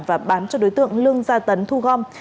và bán cho đối tượng lương gia tấn thu gom